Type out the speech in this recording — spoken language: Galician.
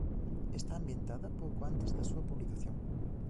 Está ambientada pouco antes da súa publicación.